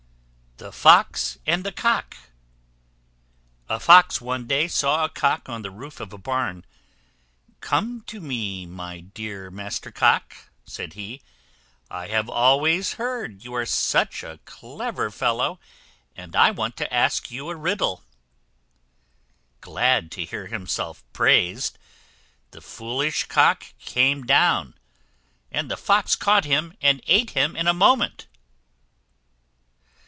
] THE FOX AND THE COCK. A Fox, one day, saw a Cock on the roof of a barn. "Come to me, my dear Master Cock," said he; "I have always heard you are such a clever fellow; and I want to ask you a riddle." Glad to hear himself praised, the foolish Cock came down, and the Fox caught him, and ate him in a moment.